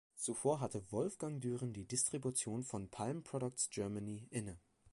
Zuvor hatte Wolfgang Düren die Distribution von Palm Products Germany inne.